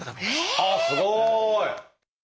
あっすごい！